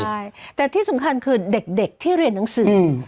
ใช่แต่ที่สำคัญคือเด็กที่เรียนหนังสือ